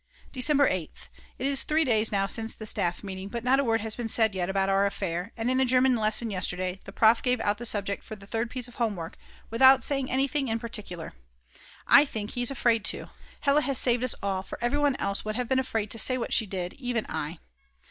December 8th. It is 3 days now since the staff meeting, but not a word has been said yet about our affair, and in the German lesson yesterday the Prof. gave out the subject for the third piece of home work without saying anything in particular. I think he is afraid to. Hella has saved us all, for everyone else would have been afraid to say what she did, even I.